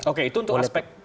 oke itu untuk aspek